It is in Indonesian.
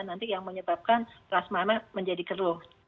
nanti yang menyebabkan plasma menjadi keruh